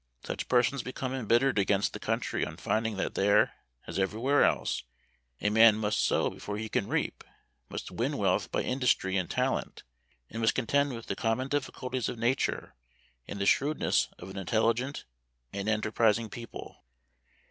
Such persons become embittered against the country on finding that there, as everywhere else, a man must sow before he can reap; must win wealth by industry and talent; and must contend with the common difficulties of nature, and the shrewdness of an intelligent and enterprising people.